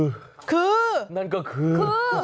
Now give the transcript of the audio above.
คือคือคือนั่นก็คือ